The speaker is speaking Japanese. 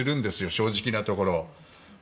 正直なところね。